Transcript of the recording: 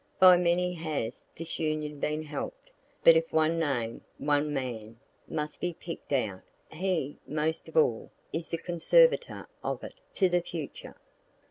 By many has this Union been help'd; but if one name, one man, must be pick'd out, he, most of all, is the conservator of it, to the future.